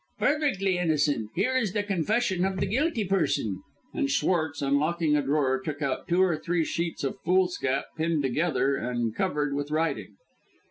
"Perfectly innocent. Here is the confession of the guilty person;" and Schwartz, unlocking a drawer, took out two or three sheets of foolscap pinned together and covered with writing.